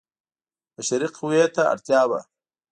بشري قوې ته اړتیا وه.